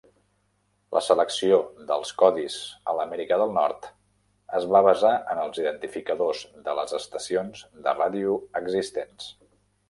La selecció dels codis a l'Amèrica del Nord es va basar en els identificadors de les estacions de ràdio existents.